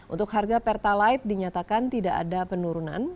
untuk harga pertalite dinyatakan tidak ada penurunan